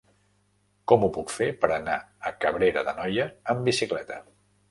Com ho puc fer per anar a Cabrera d'Anoia amb bicicleta?